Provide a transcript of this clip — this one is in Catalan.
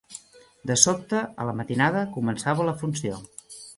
De sobte, a la matinada, començava la funció